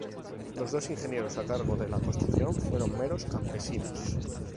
Los dos "ingenieros" a cargo de la construcción fueron "meros campesinos".